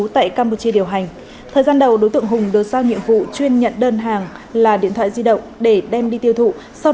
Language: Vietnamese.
tại cơ quan điều tra